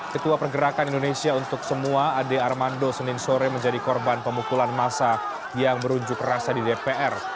ketua pergerakan indonesia untuk semua ade armando senin sore menjadi korban pemukulan masa yang berunjuk rasa di dpr